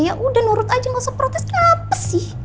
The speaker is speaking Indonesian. yaudah nurut aja gak usah protes kenapa sih